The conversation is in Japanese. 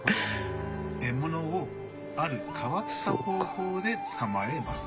獲物をある変わった方法で捕まえます。